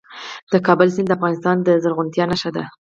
د کابل سیند د افغانستان د زرغونتیا نښه ده.